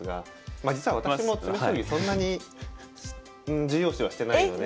まあ実は私も詰将棋そんなに重要視はしてないので。